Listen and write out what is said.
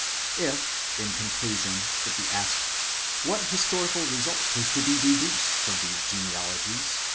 If, in conclusion, it be asked, what historical result is to be deduced from these genealogies